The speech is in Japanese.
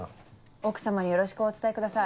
奥様によろしくお伝えください。